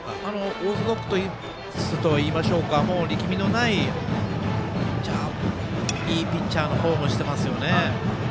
オーソドックスといいましょうか、力みのないいいピッチャーのフォームしていますよね。